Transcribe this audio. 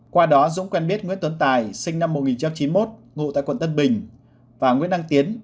qua đó dũng quen biết nguyễn tuấn tài sinh năm một nghìn chín trăm chín mươi một ngụ tại quận tân bình và nguyễn đăng tiến